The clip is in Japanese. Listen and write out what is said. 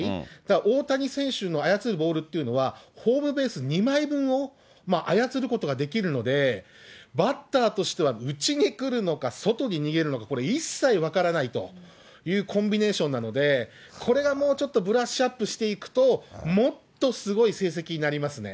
大谷選手の操るボールというのはホームベース２枚分を操ることができるので、バッターとしては、内に来るのか、外に逃げるのか、これ、一切分からないというコンビネーションなので、これがもうちょっとブラッシュアップしていくと、もっとすごい成績になりますね。